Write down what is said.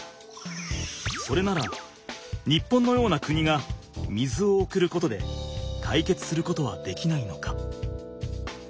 それなら日本のような国が水を送ることで解決することはできないのか？